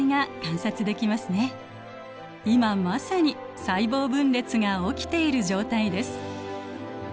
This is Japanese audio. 今まさに細胞分裂が起きている状態です。